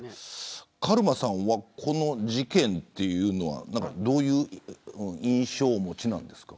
カルマさんはこの事件というのはどういう印象をお持ちですか。